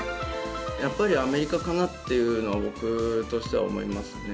やっぱりアメリカかなっていうのは僕としては思いますね。